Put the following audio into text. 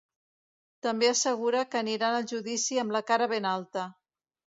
També assegura que aniran al judici ‘amb la cara ben alta’.